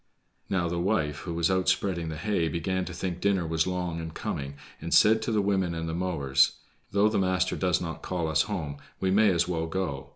Now, the wife, who was out spreading the hay, began to think dinner was long in coming, and said to the women and the mowers: "Though the master does not call us home, we may as well go.